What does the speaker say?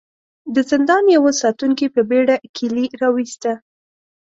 د زندان يوه ساتونکي په بېړه کيلې را وايسته.